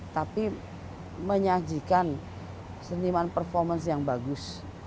tapi menyajikan seniman performance yang bagus